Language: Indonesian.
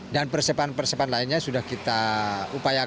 dan persepan persepan lainnya sudah kita upayakan